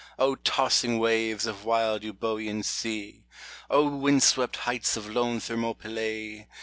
O tossing waves of wild Eubcean sea ! O wind swept heights of lone Thermopylae